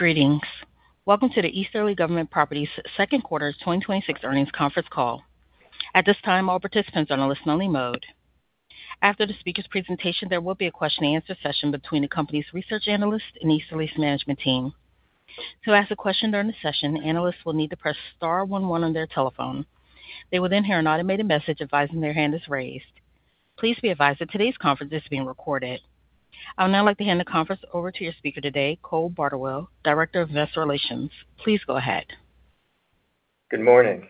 Greetings. Welcome to the Easterly Government Properties second quarter 2026 earnings conference call. At this time, all participants are on a listen-only mode. After the speaker's presentation, there will be a question-and-answer session between the company's research analyst and Easterly's management team. To ask a question during the session, the analysts will need to press star one one on their telephone. They will then hear an automated message advising their hand is raised. Please be advised that today's conference is being recorded. I would now like to hand the conference over to your speaker today, Cole Bardawill, Director of Investor Relations. Please go ahead. Good morning.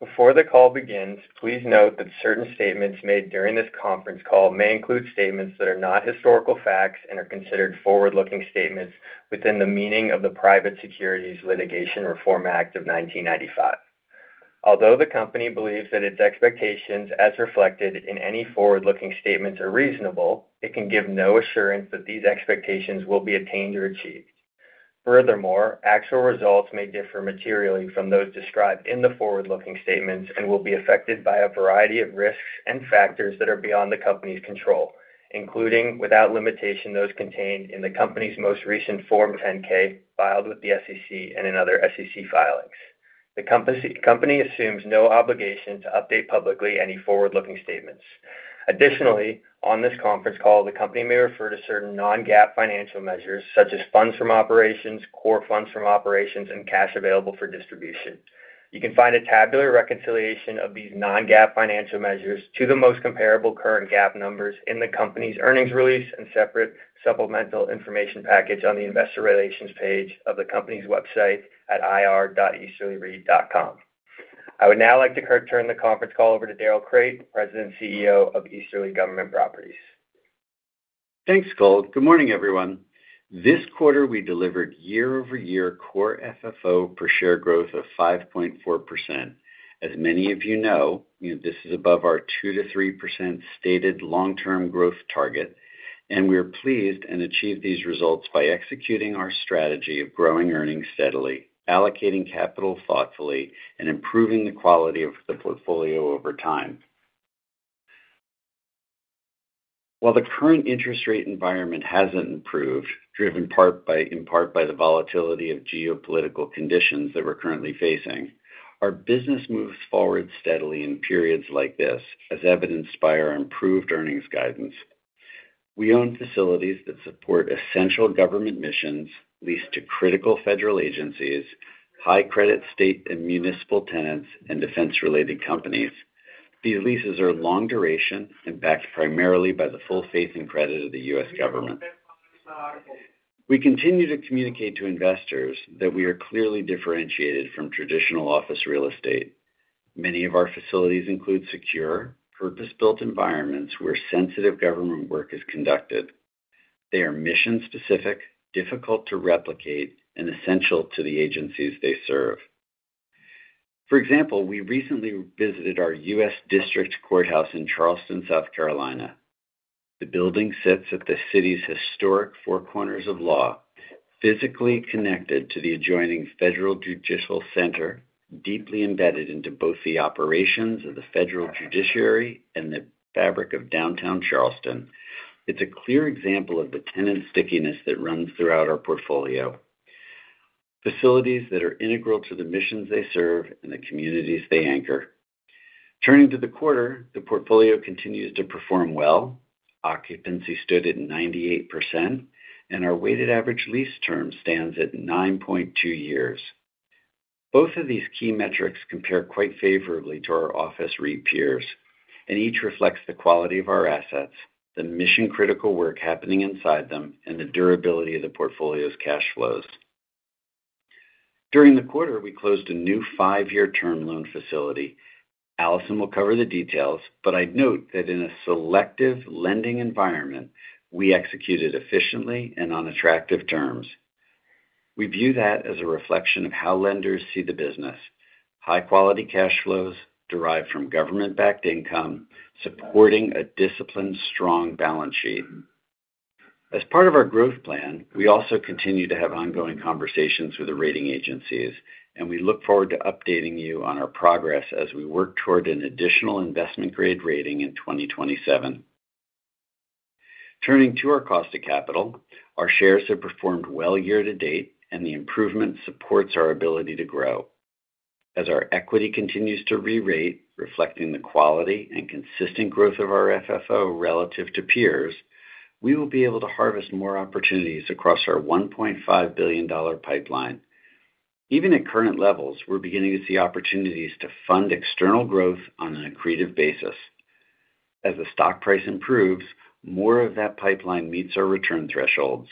Before the call begins, please note that certain statements made during this conference call may include statements that are not historical facts and are considered forward-looking statements within the meaning of the Private Securities Litigation Reform Act of 1995. Although the company believes that its expectations as reflected in any forward-looking statements are reasonable, it can give no assurance that these expectations will be attained or achieved. Furthermore, actual results may differ materially from those described in the forward-looking statements and will be affected by a variety of risks and factors that are beyond the company's control, including, without limitation, those contained in the company's most recent Form 10-K filed with the SEC and in other SEC filings. The company assumes no obligation to update publicly any forward-looking statements. Additionally, on this conference call, the company may refer to certain non-GAAP financial measures such as funds from operations, core funds from operations, and cash available for distribution. You can find a tabular reconciliation of these non-GAAP financial measures to the most comparable current GAAP numbers in the company's earnings release and separate supplemental information package on the Investor Relations page of the company's website at ir.easterlyreit.com. I would now like to turn the conference call over to Darrell Crate, President and CEO of Easterly Government Properties. Thanks, Cole. Good morning, everyone. This quarter, we delivered year-over-year Core FFO per share growth of 5.4%. As many of you know, this is above our 2%-3% stated long-term growth target, and we are pleased and achieved these results by executing our strategy of growing earnings steadily, allocating capital thoughtfully, and improving the quality of the portfolio over time. While the current interest rate environment hasn't improved, driven in part by the volatility of geopolitical conditions that we're currently facing, our business moves forward steadily in periods like this, as evidenced by our improved earnings guidance. We own facilities that support essential government missions, leased to critical federal agencies, high credit state and municipal tenants, and defense related companies. These leases are long duration and backed primarily by the full faith and credit of the U.S. government. We continue to communicate to investors that we are clearly differentiated from traditional office real estate. Many of our facilities include secure, purpose-built environments where sensitive government work is conducted. They are mission-specific, difficult to replicate, and essential to the agencies they serve. For example, we recently visited our U.S. District Courthouse in Charleston, South Carolina. The building sits at the city's historic four corners of law, physically connected to the adjoining Federal Judicial Center, deeply embedded into both the operations of the federal judiciary and the fabric of downtown Charleston. It's a clear example of the tenant stickiness that runs throughout our portfolio. Facilities that are integral to the missions they serve and the communities they anchor. Turning to the quarter, the portfolio continues to perform well. Occupancy stood at 98%, and our weighted average lease term stands at 9.2 years. Both of these key metrics compare quite favorably to our office REIT peers, each reflects the quality of our assets, the mission-critical work happening inside them, and the durability of the portfolio's cash flows. During the quarter, we closed a new five-year term loan facility. Allison will cover the details, I'd note that in a selective lending environment, we executed efficiently and on attractive terms. We view that as a reflection of how lenders see the business. High-quality cash flows derived from government-backed income, supporting a disciplined, strong balance sheet. As part of our growth plan, we also continue to have ongoing conversations with the rating agencies, we look forward to updating you on our progress as we work toward an additional investment-grade rating in 2027. Turning to our cost of capital, our shares have performed well year-to-date, the improvement supports our ability to grow. As our equity continues to rerate, reflecting the quality and consistent growth of our FFO relative to peers, we will be able to harvest more opportunities across our $1.5 billion pipeline. Even at current levels, we're beginning to see opportunities to fund external growth on an accretive basis. As the stock price improves, more of that pipeline meets our return thresholds.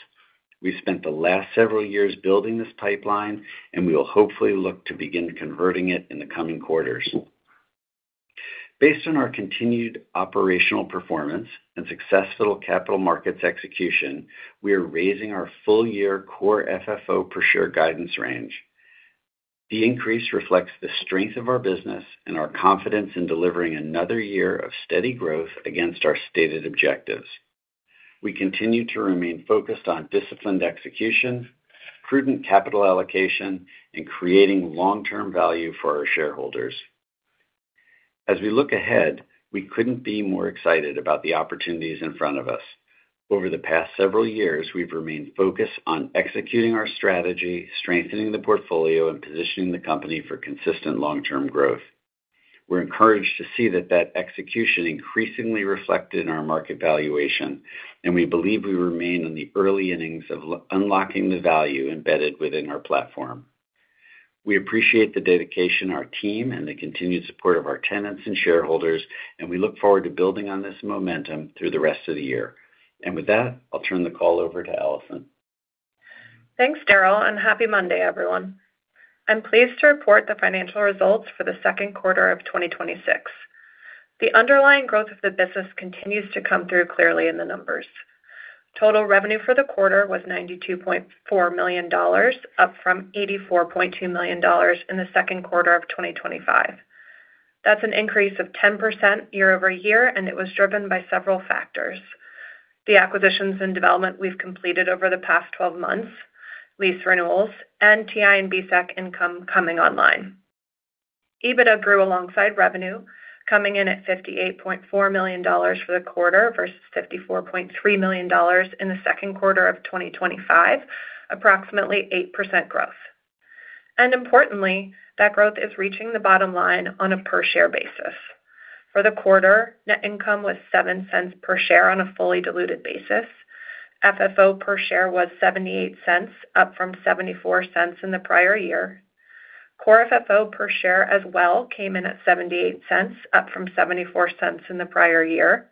We've spent the last several years building this pipeline, we will hopefully look to begin converting it in the coming quarters. Based on our continued operational performance and successful capital markets execution, we are raising our full-year Core FFO per share guidance range. The increase reflects the strength of our business and our confidence in delivering another year of steady growth against our stated objectives. We continue to remain focused on disciplined execution, prudent capital allocation, and creating long-term value for our shareholders. As we look ahead, we couldn't be more excited about the opportunities in front of us. Over the past several years, we've remained focused on executing our strategy, strengthening the portfolio, and positioning the company for consistent long-term growth. We're encouraged to see that that execution increasingly reflected in our market valuation, we believe we remain in the early innings of unlocking the value embedded within our platform. We appreciate the dedication of our team and the continued support of our tenants and shareholders, we look forward to building on this momentum through the rest of the year. With that, I'll turn the call over to Allison. Thanks, Darrell, and happy Monday, everyone. I'm pleased to report the financial results for the second quarter of 2026. The underlying growth of the business continues to come through clearly in the numbers. Total revenue for the quarter was $92.4 million, up from $84.2 million in the second quarter of 2025. That's an increase of 10% year-over-year, and it was driven by several factors. The acquisitions and development we've completed over the past 12 months, lease renewals, and TI and BSAC income coming online. EBITDA grew alongside revenue, coming in at $58.4 million for the quarter versus $54.3 million in the second quarter of 2025, approximately 8% growth. Importantly, that growth is reaching the bottom-line on a per share basis. For the quarter, net income was $0.07 per share on a fully diluted basis. FFO per share was $0.78, up from $0.74 in the prior year. Core FFO per share as well came in at $0.78, up from $0.74 in the prior year.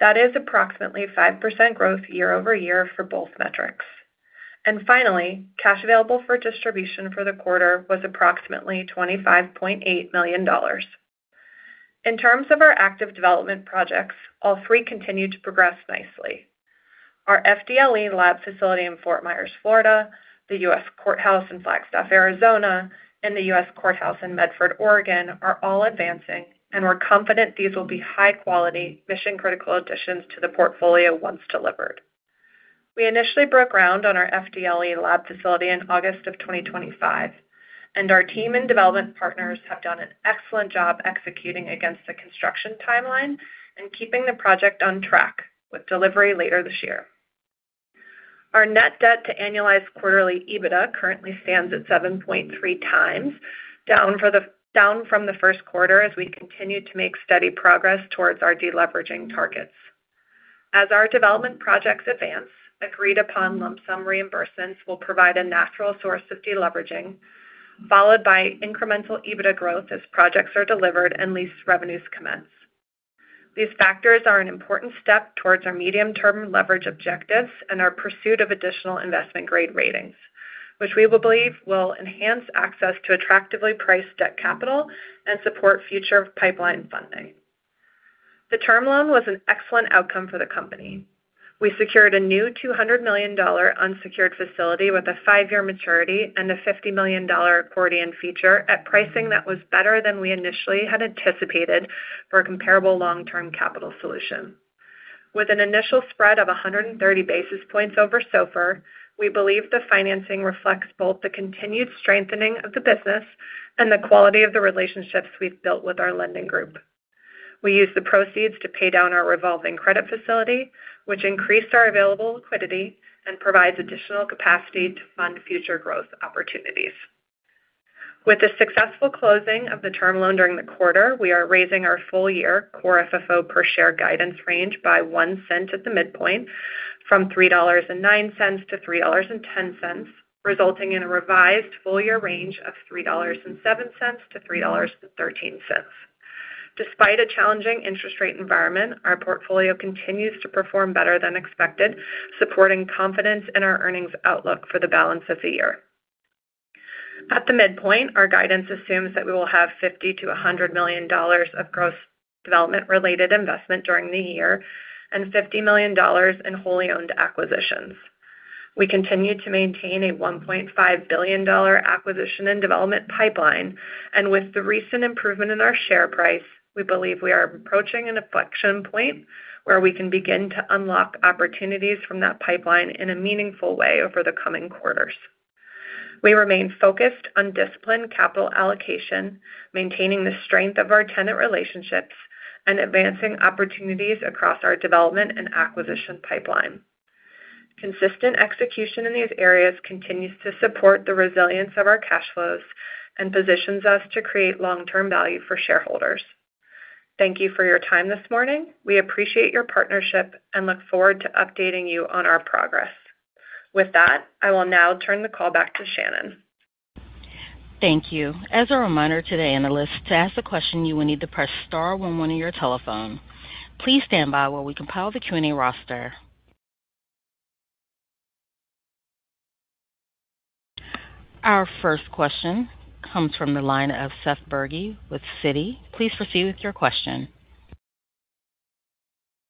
That is approximately 5% growth year-over-year for both metrics. Finally, cash available for distribution for the quarter was approximately $25.8 million. In terms of our active development projects, all three continue to progress nicely. Our FDLE lab facility in Fort Myers, Florida, the U.S. Courthouse in Flagstaff, Arizona, and the U.S. Courthouse in Medford, Oregon, are all advancing, and we're confident these will be high quality, mission critical additions to the portfolio once delivered. We initially broke ground on our FDLE lab facility in August of 2025, and our team and development partners have done an excellent job executing against the construction timeline and keeping the project on track with delivery later this year. Our net debt-to-annualized quarterly EBITDA currently stands at 7.3x, down from the first quarter as we continue to make steady progress towards our deleveraging targets. As our development projects advance, agreed upon lump sum reimbursements will provide a natural source of deleveraging, followed by incremental EBITDA growth as projects are delivered and lease revenues commence. These factors are an important step towards our medium-term leverage objectives and our pursuit of additional investment grade ratings, which we believe will enhance access to attractively priced debt capital and support future pipeline funding. The term loan was an excellent outcome for the company. We secured a new $200 million unsecured facility with a five-year maturity and a $50 million accordion feature at pricing that was better than we initially had anticipated for a comparable long-term capital solution. With an initial spread of 130 basis points over SOFR, we believe the financing reflects both the continued strengthening of the business and the quality of the relationships we've built with our lending group. We used the proceeds to pay down our revolving credit facility, which increased our available liquidity and provides additional capacity to fund future growth opportunities. With the successful closing of the term loan during the quarter, we are raising our full-year Core FFO per share guidance range by $0.01 at the midpoint from $3.09-$3.10, resulting in a revised full-year range of $3.07-$3.13. Despite a challenging interest rate environment, our portfolio continues to perform better than expected, supporting confidence in our earnings outlook for the balance of the year. At the midpoint, our guidance assumes that we will have $50 million-$100 million of gross development related investment during the year and $50 million in wholly owned acquisitions. We continue to maintain a $1.5 billion acquisition and development pipeline, and with the recent improvement in our share price, we believe we are approaching an inflection point where we can begin to unlock opportunities from that pipeline in a meaningful way over the coming quarters. We remain focused on disciplined capital allocation, maintaining the strength of our tenant relationships, and advancing opportunities across our development and acquisition pipeline. Consistent execution in these areas continues to support the resilience of our cash flows and positions us to create long-term value for shareholders. Thank you for your time this morning. We appreciate your partnership and look forward to updating you on our progress. With that, I will now turn the call back to Shannon. Thank you. As a reminder to the analysts, to ask the question, you will need to press star one one on your telephone. Please stand by while we compile the Q&A roster. Our first question comes from the line of Seth Bergey with Citi. Please proceed with your question.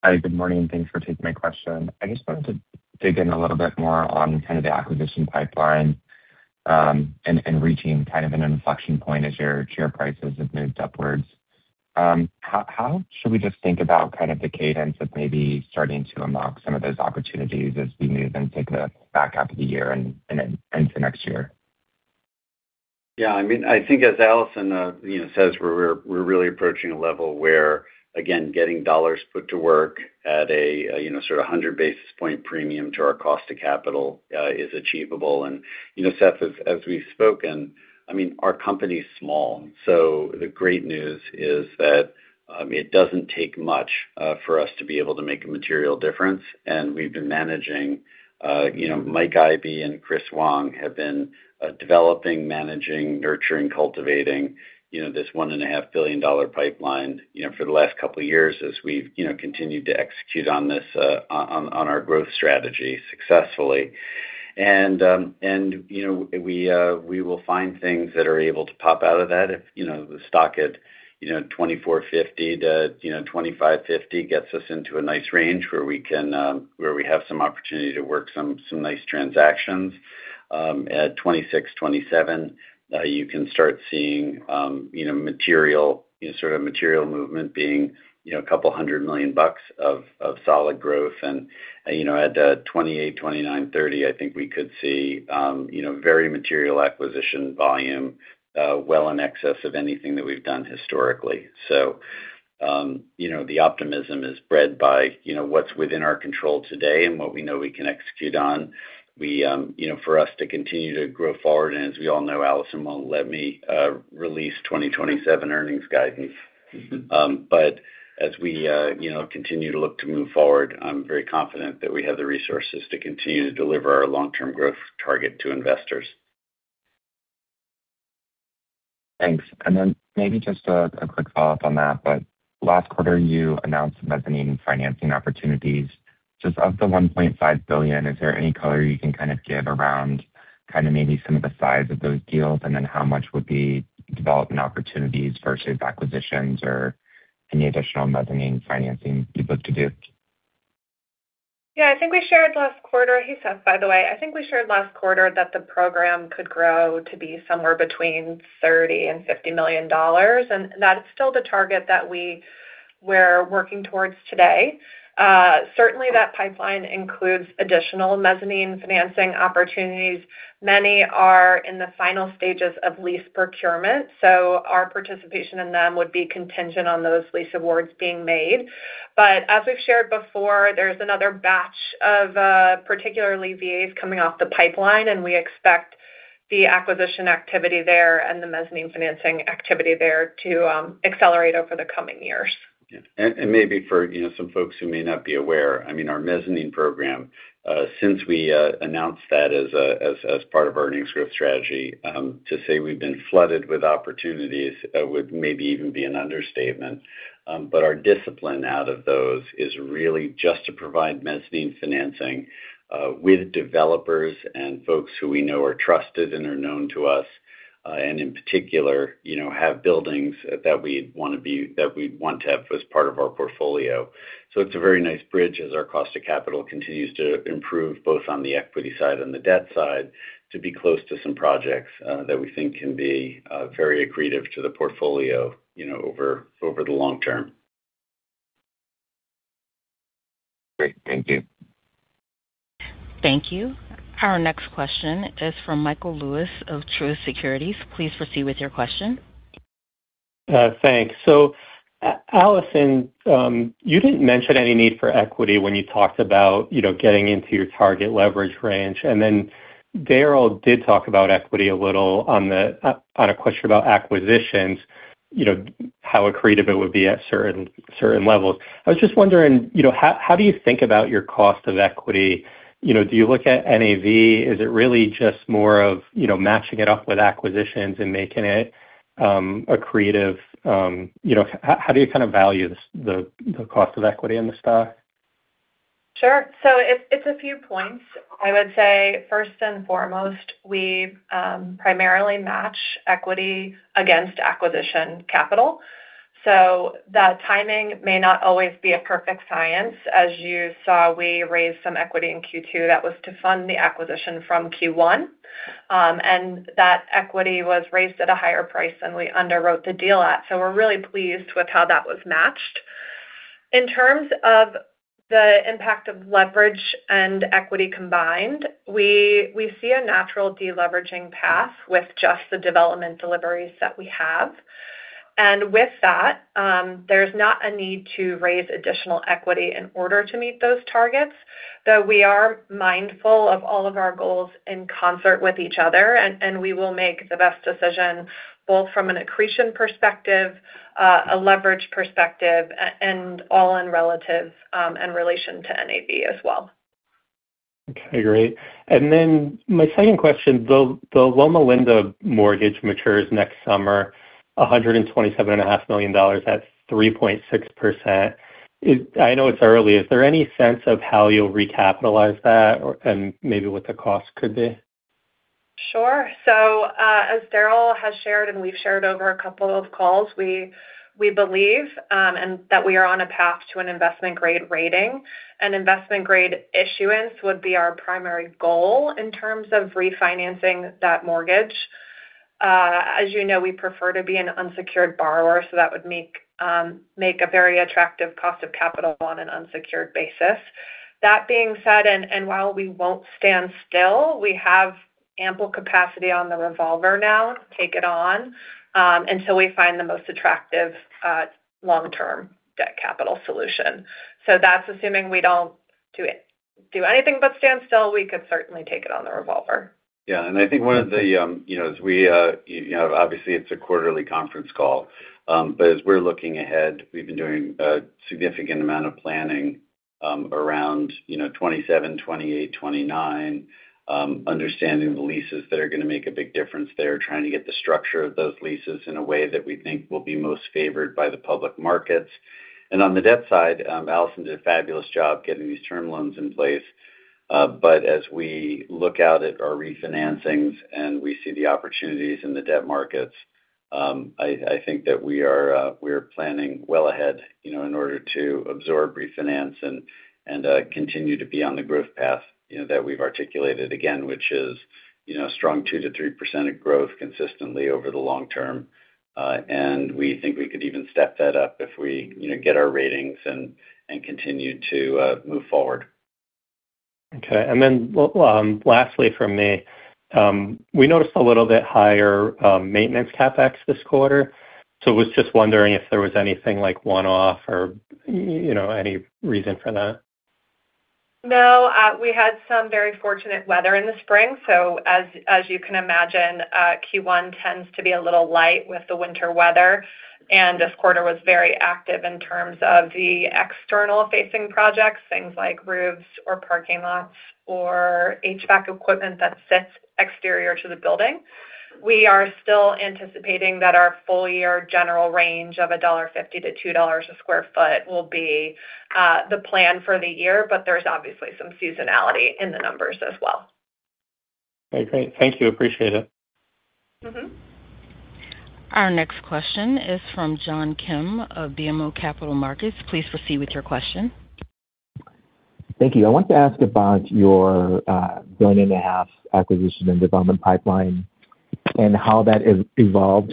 Hi, good morning, thanks for taking my question. I just wanted to dig in a little bit more on kind of the acquisition pipeline, and reaching kind of an inflection point as your share prices have moved upwards. How should we just think about kind of the cadence of maybe starting to unlock some of those opportunities as we move and think of the back half of the year and into next year? I think as Allison says, we're really approaching a level where, again, getting dollars put to work at a sort of 100 basis point premium to our cost of capital is achievable. Seth, as we've spoken, our company's small, so the great news is that it doesn't take much for us to be able to make a material difference. Mike Ibe and Chris Wang have been developing, managing, nurturing, cultivating, this $1.5 billion pipeline for the last couple of years as we've continued to execute on our growth strategy successfully. We will find things that are able to pop out of that if the stock at $24.50-$25.50 gets us into a nice range where we have some opportunity to work some nice transactions. At $26-$27, you can start seeing material movement being a couple hundred million bucks of solid growth. At $28, $29, $30, I think we could see very material acquisition volume, well in excess of anything that we've done historically. The optimism is bred by what's within our control today and what we know we can execute on. For us to continue to grow forward, as we all know, Allison won't let me release 2027 earnings guidance. As we continue to look to move forward, I'm very confident that we have the resources to continue to deliver our long-term growth target to investors. Thanks. Then maybe just a quick follow-up on that, last quarter you announced mezzanine financing opportunities. Just of the $1.5 billion, is there any color you can kind of give around maybe some of the size of those deals, and then how much would be development opportunities versus acquisitions or any additional mezzanine financing you'd look to do? I think we shared last quarter. Seth, by the way, I think we shared last quarter that the program could grow to be somewhere between $30 million-$50 million, and that is still the target that we're working towards today. Certainly, that pipeline includes additional mezzanine financing opportunities. Many are in the final stages of lease procurement, so our participation in them would be contingent on those lease awards being made. As we've shared before, there's another batch of particularly VAs coming off the pipeline, we expect the acquisition activity there and the mezzanine financing activity there to accelerate over the coming years. Yeah. Maybe for some folks who may not be aware, our mezzanine program, since we announced that as part of our earnings growth strategy, to say we've been flooded with opportunities, would maybe even be an understatement. Our discipline out of those is really just to provide mezzanine financing with developers and folks who we know are trusted and are known to us. In particular, have buildings that we'd want to have as part of our portfolio. It's a very nice bridge as our cost of capital continues to improve, both on the equity side and the debt side, to be close to some projects that we think can be very accretive to the portfolio over the long term. Great. Thank you. Thank you. Our next question is from Michael Lewis of Truist Securities. Please proceed with your question. Thanks. Allison, you didn't mention any need for equity when you talked about getting into your target leverage range. Darrell did talk about equity a little on a question about acquisitions, how accretive it would be at certain levels. I was just wondering, how do you think about your cost of equity? Do you look at NAV? Is it really just more of matching it up with acquisitions and making it accretive? How do you kind of value the cost of equity in the stock? Sure. It's a few points. I would say, first and foremost, we primarily match equity against acquisition capital. That timing may not always be a perfect science. As you saw, we raised some equity in Q2. That was to fund the acquisition from Q1. That equity was raised at a higher price than we underwrote the deal at. We're really pleased with how that was matched. In terms of the impact of leverage and equity combined, we see a natural de-leveraging path with just the development deliveries that we have. With that, there's not a need to raise additional equity in order to meet those targets, though we are mindful of all of our goals in concert with each other, and we will make the best decision, both from an accretion perspective, a leverage perspective, and all in relative and relation to NAV as well. Okay, great. My second question, the Loma Linda mortgage matures next summer, $127.5 million at 3.6%. I know it's early. Is there any sense of how you'll recapitalize that and maybe what the cost could be? Sure. As Darrell has shared, and we've shared over a couple of calls, we believe that we are on a path to an investment-grade rating. An investment-grade issuance would be our primary goal in terms of refinancing that mortgage. As you know, we prefer to be an unsecured borrower, that would make a very attractive cost of capital on an unsecured basis. That being said, and while we won't stand still, we have ample capacity on the revolver now, take it on, until we find the most attractive long-term debt capital solution. That's assuming we don't do anything but stand still, we could certainly take it on the revolver. Yeah. Obviously it's a quarterly conference call. As we're looking ahead, we've been doing a significant amount of planning around 2027, 2028, 2029, understanding the leases that are going to make a big difference there, trying to get the structure of those leases in a way that we think will be most favored by the public markets. On the debt side, Allison did a fabulous job getting these term loans in place. As we look out at our refinancings and we see the opportunities in the debt markets, I think that we are planning well ahead in order to absorb, refinance, and continue to be on the growth path that we've articulated, again, which is strong 2%-3% of growth consistently over the long-term. We think we could even step that up if we get our ratings and continue to move forward. Okay. Lastly from me, we noticed a little bit higher maintenance CapEx this quarter. Was just wondering if there was anything like one-off or any reason for that. No. We had some very fortunate weather in the spring, as you can imagine, Q1 tends to be a little light with the winter weather. This quarter was very active in terms of the external facing projects, things like roofs or parking lots or HVAC equipment that sits exterior to the building. We are still anticipating that our full-year general range of $1.50-$2 a square foot will be the plan for the year, there's obviously some seasonality in the numbers as well. Okay, great. Thank you. Appreciate it. Our next question is from John Kim of BMO Capital Markets. Please proceed with your question. Thank you. I want to ask about your $1.5 billion acquisition and development pipeline and how that has evolved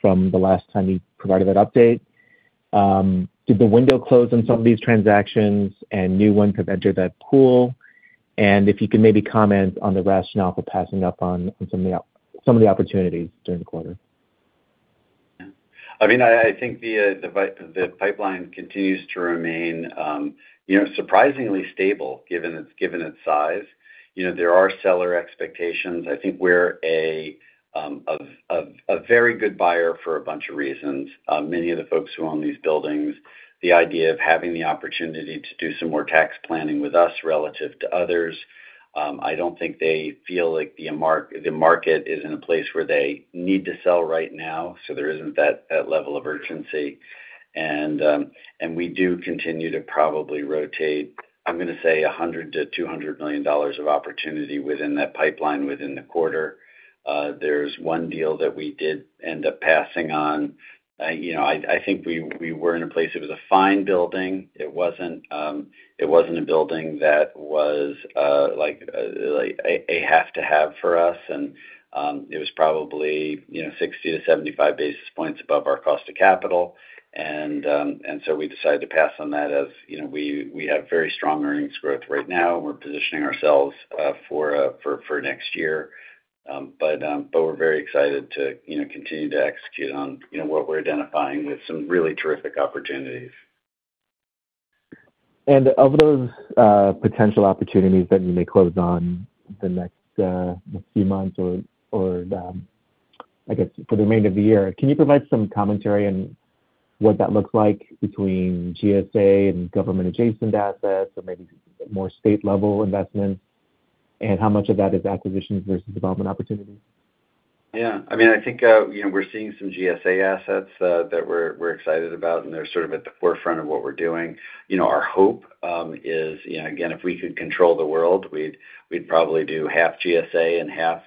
from the last time you provided that update. Did the window close on some of these transactions and new ones have entered that pool? If you could maybe comment on the rationale for passing up on some of the opportunities during the quarter. I think the pipeline continues to remain surprisingly stable given its size. There are seller expectations. I think we're a very good buyer for a bunch of reasons. Many of the folks who own these buildings, the idea of having the opportunity to do some more tax planning with us relative to others, I don't think they feel like the market is in a place where they need to sell right now, so there isn't that level of urgency. We do continue to probably rotate, I'm going to say, $100 million-$200 million of opportunity within that pipeline within the quarter. There's one deal that we did end up passing on. I think we were in a place, it was a fine building. It wasn't a building that was a have-to-have for us. It was probably 60 basis points-75 basis points above our cost of capital. We decided to pass on that as we have very strong earnings growth right now. We're positioning ourselves for next year. We're very excited to continue to execute on what we're identifying with some really terrific opportunities. Of those potential opportunities that you may close on the next few months or I guess for the remainder of the year, can you provide some commentary on what that looks like between GSA and government adjacent assets or maybe more state level investments? How much of that is acquisitions versus development opportunities? Yeah. I think we're seeing some GSA assets that we're excited about, and they're sort of at the forefront of what we're doing. Our hope is, again, if we could control the world, we'd probably do half GSA and half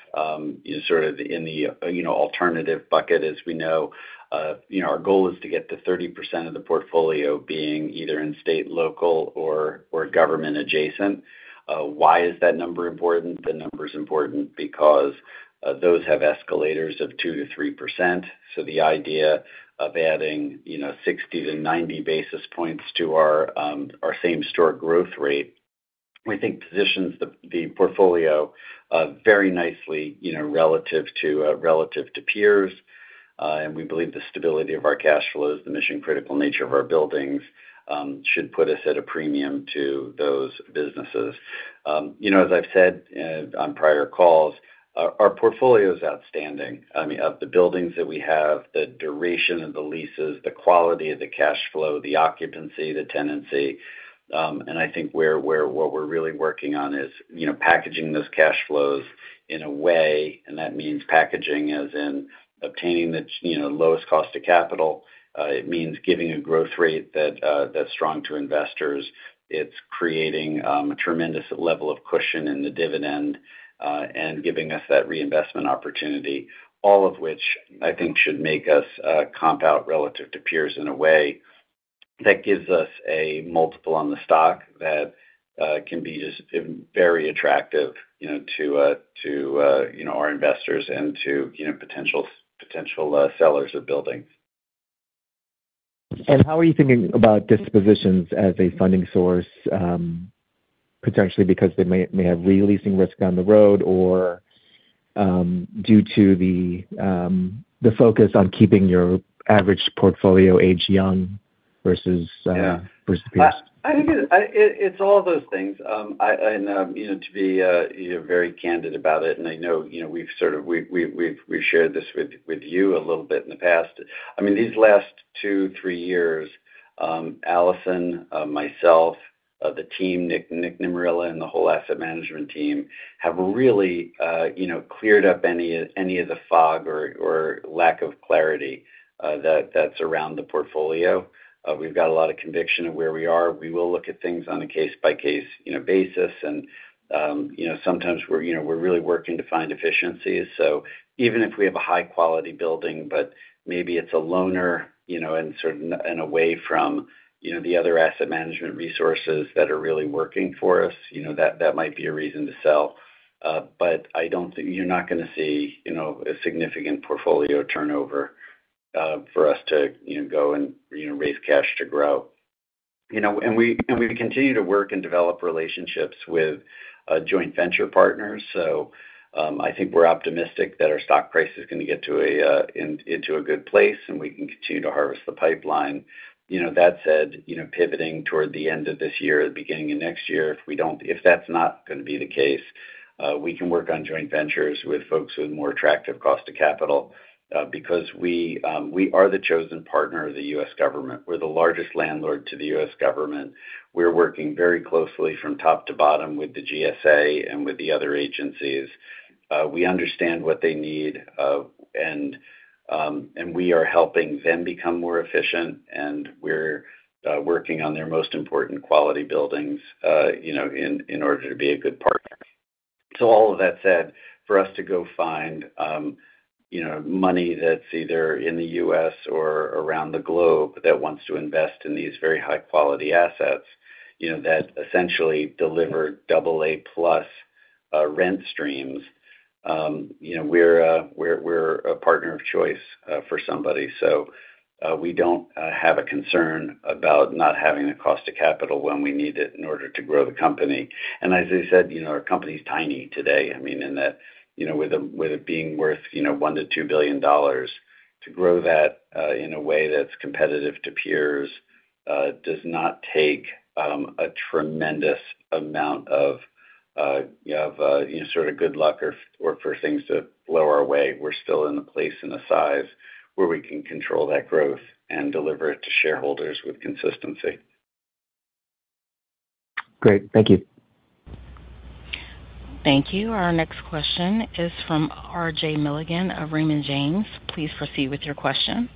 sort of in the alternative bucket. We know our goal is to get to 30% of the portfolio being either in state, local, or government adjacent. Why is that number important? The number's important because those have escalators of 2%-3%. The idea of adding 60 basis points-90 basis points to our same-store growth rate, we think positions the portfolio very nicely relative to peers. We believe the stability of our cash flows, the mission critical nature of our buildings, should put us at a premium to those businesses. As I've said on prior calls, our portfolio is outstanding. Of the buildings that we have, the duration of the leases, the quality of the cash flow, the occupancy, the tenancy. I think what we're really working on is packaging those cash flows in a way, and that means packaging as in obtaining the lowest cost of capital. It means giving a growth rate that's strong to investors. It's creating a tremendous level of cushion in the dividend, and giving us that reinvestment opportunity. All of which I think should make us comp out relative to peers in a way that gives us a multiple on the stock that can be just very attractive to our investors and to potential sellers of buildings. How are you thinking about dispositions as a funding source? Potentially because they may have re-leasing risk on the road or due to the focus on keeping your average portfolio age young versus peers. I think it's all of those things. To be very candid about it, and I know we've shared this with you a little bit in the past. These last two, three years, Allison, myself, the team, Nick Nimerala, and the whole asset management team have really cleared up any of the fog or lack of clarity that's around the portfolio. We've got a lot of conviction of where we are. We will look at things on a case-by-case basis, and sometimes we're really working to find efficiencies. Even if we have a high-quality building, but maybe it's a loner, and away from the other asset management resources that are really working for us, that might be a reason to sell. You're not going to see a significant portfolio turnover for us to go and raise cash to grow. We continue to work and develop relationships with joint venture partners. I think we're optimistic that our stock price is going to get into a good place, and we can continue to harvest the pipeline. That said, pivoting toward the end of this year, the beginning of next year, if that's not going to be the case, we can work on joint ventures with folks with more attractive cost of capital, because we are the chosen partner of the U.S. government. We're the largest landlord to the U.S. government. We're working very closely from top to bottom with the GSA and with the other agencies. We understand what they need, and we are helping them become more efficient, and we're working on their most important quality buildings in order to be a good partner. All of that said, for us to go find money that's either in the U.S. or around the globe that wants to invest in these very high-quality assets, that essentially deliver AA+ plus rent streams. We're a partner of choice for somebody, so we don't have a concern about not having the cost of capital when we need it in order to grow the company. As I said, our company's tiny today, in that with it being worth $1 billion-$2 billion, to grow that in a way that's competitive to peers, does not take a tremendous amount of good luck or for things to blow our way. We're still in a place and a size where we can control that growth and deliver it to shareholders with consistency. Great. Thank you. Thank you. Our next question is from RJ Milligan of Raymond James. Please proceed with your question.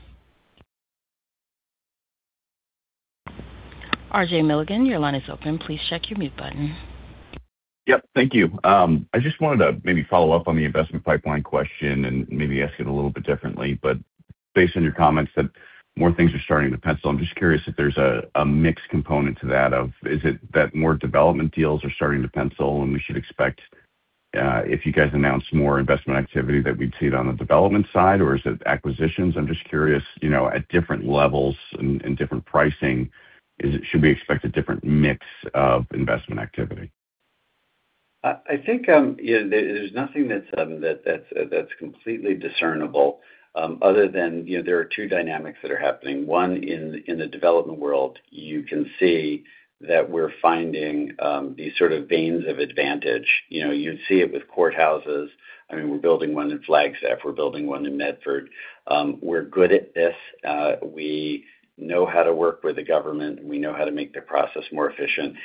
RJ Milligan, your line is open. Please check your mute button. Yep. Thank you. I just wanted to maybe follow up on the investment pipeline question and maybe ask it a little bit differently, based on your comments that more things are starting to pencil, I'm just curious if there's a mix component to that of, is it that more development deals are starting to pencil and we should expect if you guys announce more investment activity, that we'd see it on the development side, or is it acquisitions? I'm just curious, at different levels and different pricing, should we expect a different mix of investment activity? I think there's nothing that's completely discernible other than there are two dynamics that are happening. One, in the development world, you can see that we're finding these veins of advantage. You'd see it with courthouses. We're building one in Flagstaff, we're building one in Medford. We're good at this. We know how to work with the government, and we know how to make their process more efficient.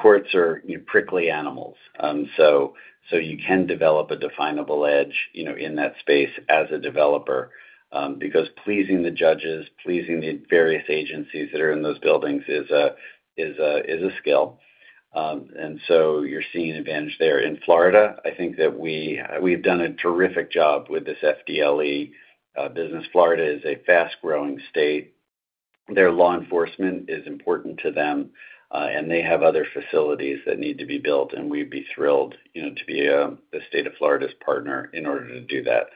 Courts are prickly animals. You can develop a definable edge in that space as a developer. Because pleasing the judges, pleasing the various agencies that are in those buildings is a skill. You're seeing advantage there. In Florida, I think that we've done a terrific job with this FDLE business. Florida is a fast-growing state. Their law enforcement is important to them, they have other facilities that need to be built, we'd be thrilled to be the state of Florida's partner in order to do that.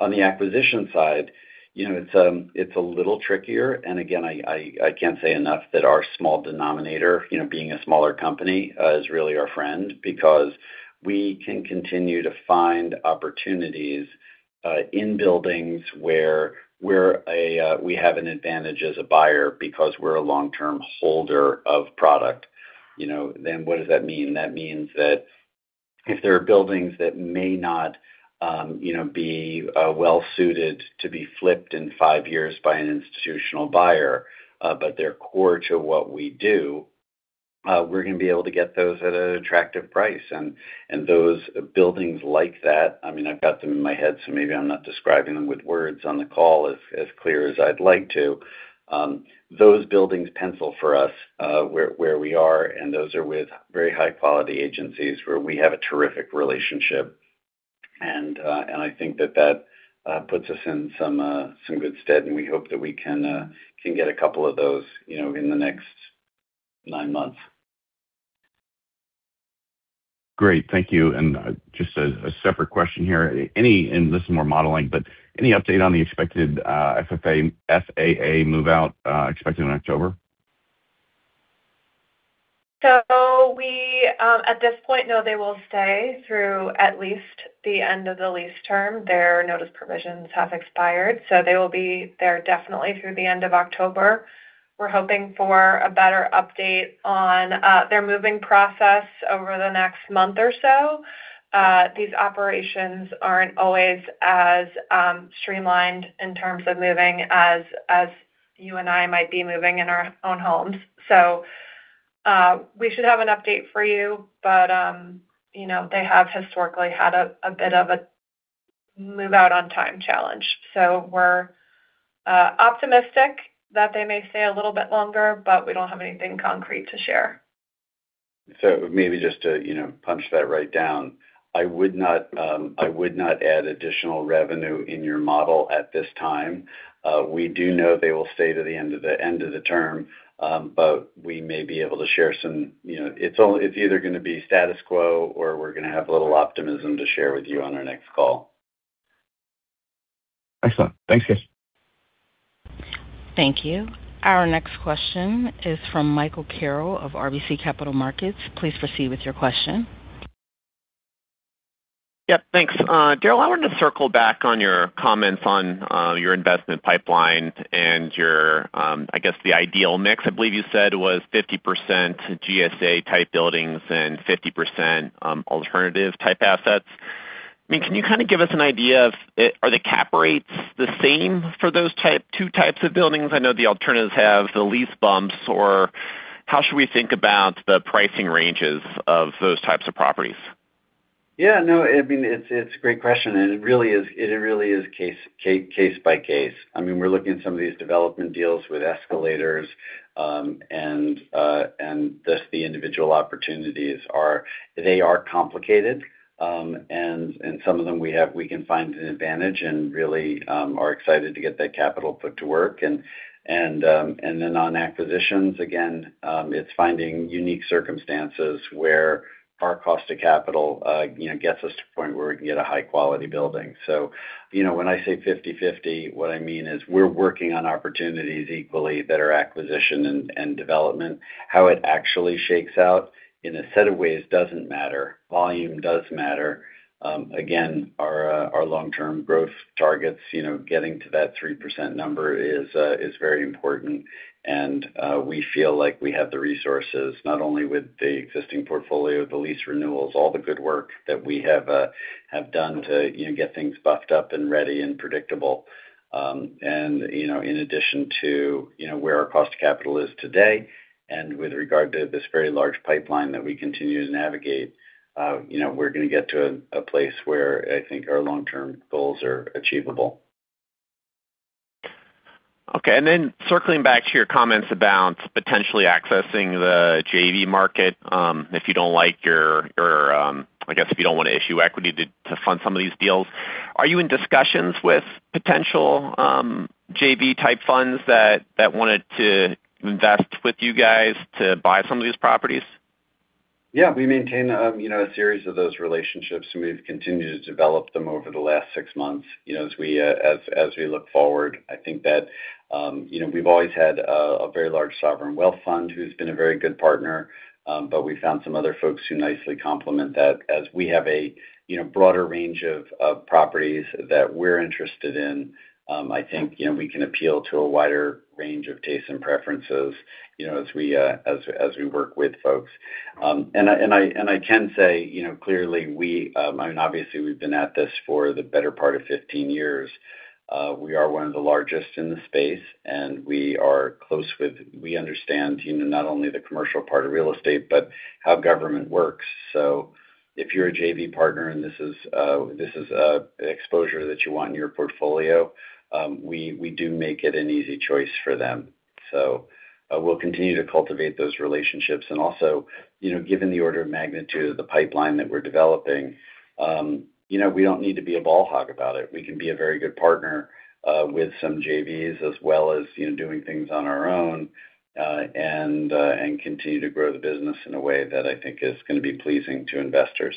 On the acquisition side, it's a little trickier. Again, I can't say enough that our small denominator, being a smaller company, is really our friend because we can continue to find opportunities in buildings where we have an advantage as a buyer because we're a long-term holder of product. What does that mean? That means that if there are buildings that may not be well-suited to be flipped in five years by an institutional buyer, but they're core to what we do, we're going to be able to get those at an attractive price. Those buildings like that, I've got them in my head, so maybe I'm not describing them with words on the call as clear as I'd like to. Those buildings pencil for us where we are, and those are with very high-quality agencies where we have a terrific relationship. I think that puts us in some good stead, and we hope that we can get a couple of those in the next nine months. Great, thank you. Just a separate question here. This is more modeling, but any update on the expected FAA move-out expected in October? We, at this point, know they will stay through at least the end of the lease term. Their notice provisions have expired, so they will be there definitely through the end of October. We're hoping for a better update on their moving process over the next month or so. These operations aren't always as streamlined in terms of moving as you and I might be moving in our own homes. We should have an update for you. They have historically had a bit of a move-out on time challenge. We're optimistic that they may stay a little bit longer, but we don't have anything concrete to share. Maybe just to punch that right down. I would not add additional revenue in your model at this time. We do know they will stay to the end of the term. We may be able to share some. It's either going to be status quo or we're going to have a little optimism to share with you on our next call. Excellent. Thanks, guys. Thank you. Our next question is from Michael Carroll of RBC Capital Markets. Please proceed with your question. Yep, thanks. Darrell, I wanted to circle back on your comments on your investment pipeline and your, I guess, the ideal mix, I believe you said was 50% GSA-type buildings and 50% alternative type assets. Can you kind of give us an idea of, are the cap rates the same for those two types of buildings? I know the alternatives have the lease bumps, or how should we think about the pricing ranges of those types of properties? Yeah, no, it's a great question, and it really is case-by-case. We're looking at some of these development deals with escalators. Thus, the individual opportunities are, they are complicated. Some of them we can find an advantage and really are excited to get that capital put to work. Then on acquisitions, again, it's finding unique circumstances where our cost of capital gets us to a point where we can get a high-quality building. When I say 50/50, what I mean is we're working on opportunities equally that are acquisition and development. How it actually shakes out in a set of ways doesn't matter. Volume does matter. Our long-term growth targets, getting to that 3% number is very important, and we feel like we have the resources, not only with the existing portfolio, the lease renewals, all the good work that we have done to get things buffed up and ready and predictable. In addition to where our cost of capital is today and with regard to this very large pipeline that we continue to navigate, we're going to get to a place where I think our long-term goals are achievable. Circling back to your comments about potentially accessing the JV market, I guess if you don't want to issue equity to fund some of these deals. Are you in discussions with potential JV type funds that wanted to invest with you guys to buy some of these properties? We maintain a series of those relationships, and we've continued to develop them over the last six months. As we look forward, I think that we've always had a very large sovereign wealth fund who's been a very good partner. We found some other folks who nicely complement that. As we have a broader range of properties that we're interested in, I think we can appeal to a wider range of tastes and preferences as we work with folks. I can say, clearly, obviously, we've been at this for the better part of 15 years. We are one of the largest in the space, and we understand not only the commercial part of real estate but how government works. If you're a JV partner and this is exposure that you want in your portfolio, we do make it an easy choice for them. We'll continue to cultivate those relationships. Also, given the order of magnitude of the pipeline that we're developing, we don't need to be a ball hog about it. We can be a very good partner with some JVs as well as doing things on our own, and continue to grow the business in a way that I think is going to be pleasing to investors.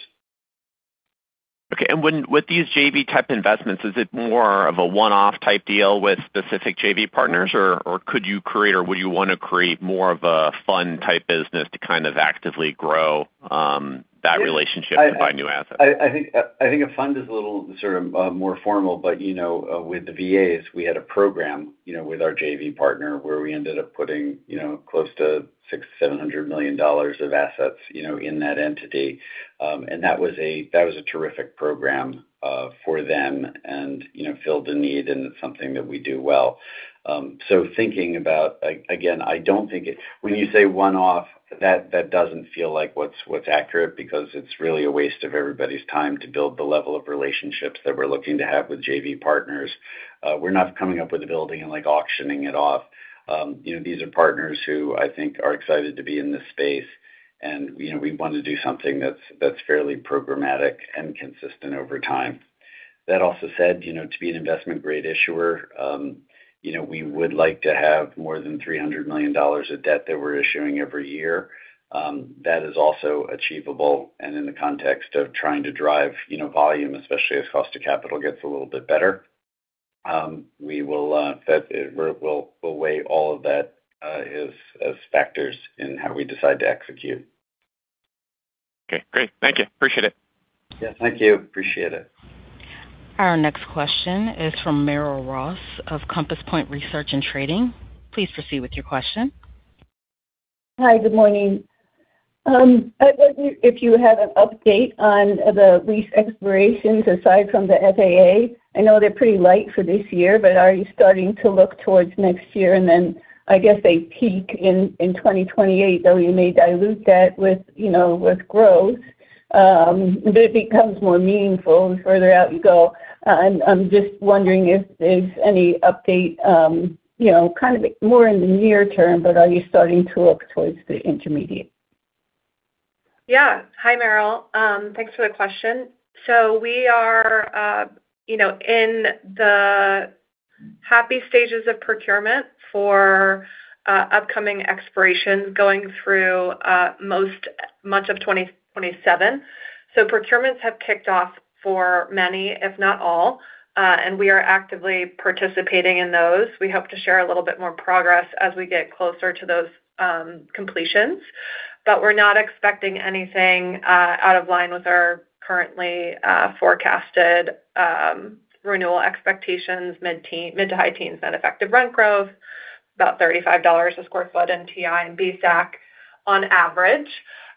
Okay. With these JV type investments, is it more of a one-off type deal with specific JV partners, or could you create, or would you want to create more of a fund type business to kind of actively grow that relationship to buy new assets? I think a fund is a little sort of more formal. With the VAs, we had a program with our JV partner where we ended up putting close to $600 million-$700 million of assets in that entity. That was a terrific program for them and filled a need, and it's something that we do well. Thinking about, again, I don't think. When you say one-off, that doesn't feel like what's accurate because it's really a waste of everybody's time to build the level of relationships that we're looking to have with JV partners. We're not coming up with a building and auctioning it off. These are partners who I think are excited to be in this space. We want to do something that's fairly programmatic and consistent over time. That also said, to be an investment-grade issuer, we would like to have more than $300 million of debt that we're issuing every year. That is also achievable, and in the context of trying to drive volume, especially as cost of capital gets a little bit better. We'll weigh all of that as factors in how we decide to execute. Okay, great. Thank you. Appreciate it. Yeah. Thank you. Appreciate it. Our next question is from Merrill Ross of Compass Point Research & Trading. Please proceed with your question. Hi. Good morning. I wonder if you have an update on the lease expirations aside from the FAA. I know they're pretty light for this year, but are you starting to look towards next year? I guess they peak in 2028, though you may dilute that with growth, but it becomes more meaningful the further out you go. I'm just wondering if any update, kind of more in the near- term, but are you starting to look towards the intermediate? Yeah. Hi, Merrill. Thanks for the question. We are in the happy stages of procurement for upcoming expirations going through much of 2027. Procurements have kicked off for many, if not all. We are actively participating in those. We hope to share a little bit more progress as we get closer to those completions. We're not expecting anything out of line with our currently forecasted renewal expectations, mid- to high-teens net effective rent growth, about $35 a square foot TI and BSAC on average.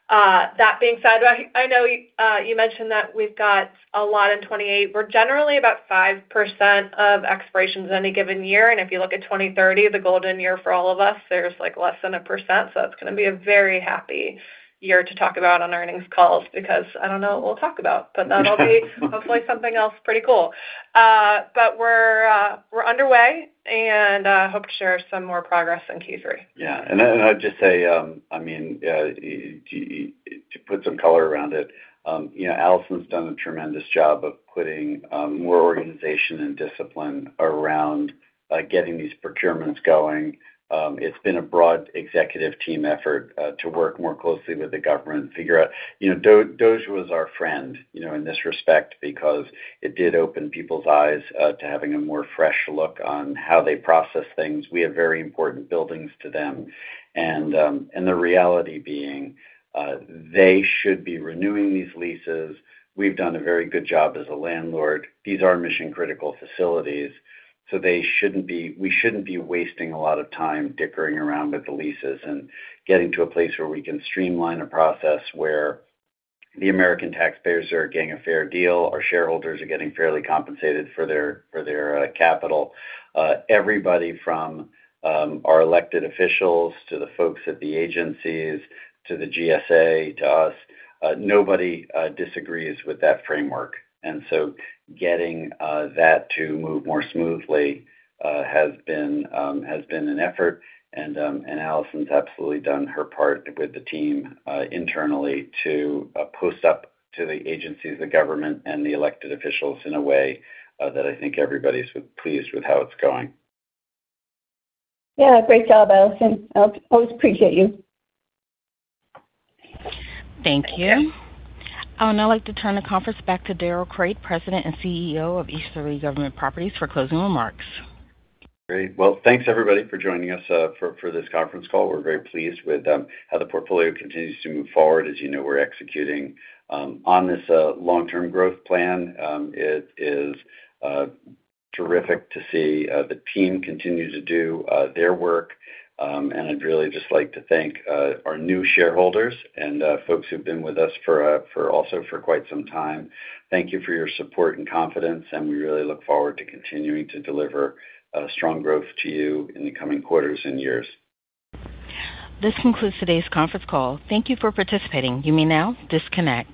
That being said, I know you mentioned that we've got a lot in 2028. We're generally about 5% of expirations any given year, and if you look at 2030, the golden year for all of us, there's less than 1%. That's going to be a very happy year to talk about on earnings calls because I don't know what we'll talk about. That'll be hopefully something else pretty cool. We're underway, and hope to share some more progress in Q3. Yeah. I'd just say, to put some color around it, Allison's done a tremendous job of putting more organization and discipline around getting these procurements going. It's been a broad executive team effort to work more closely with the government, figure out DOGE was our friend in this respect because it did open people's eyes to having a more fresh look on how they process things. We have very important buildings to them. The reality being, they should be renewing these leases. We've done a very good job as a landlord. These are mission critical facilities, we shouldn't be wasting a lot of time dickering around with the leases and getting to a place where we can streamline a process where the American taxpayers are getting a fair deal, our shareholders are getting fairly compensated for their capital. Everybody from our elected officials to the folks at the agencies, to the GSA, to us, nobody disagrees with that framework. Getting that to move more smoothly has been an effort, Allison's absolutely done her part with the team internally to post up to the agencies, the government, and the elected officials in a way that I think everybody's pleased with how it's going. Yeah. Great job, Allison. I always appreciate you. Thank you. I would now like to turn the conference back to Darrell Crate, President and CEO of Easterly Government Properties, for closing remarks. Great. Well, thanks everybody for joining us for this conference call. We're very pleased with how the portfolio continues to move forward. As you know, we're executing on this long-term growth plan. It is terrific to see the team continue to do their work. I'd really just like to thank our new shareholders and folks who've been with us also for quite some time. Thank you for your support and confidence, and we really look forward to continuing to deliver strong growth to you in the coming quarters and years. This concludes today's conference call. Thank you for participating. You may now disconnect.